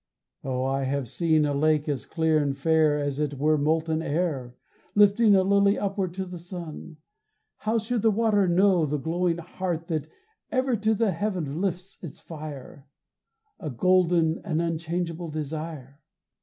Oh I have seen a lake as clear and fair As it were molten air, Lifting a lily upward to the sun. How should the water know the glowing heart That ever to the heaven lifts its fire, A golden and unchangeable desire?